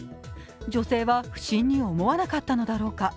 女性は不審に思わなかったのだろうか。